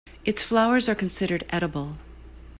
Its flowers are considered edible.